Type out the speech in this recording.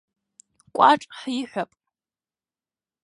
Кәаҿ ҳиҳәап!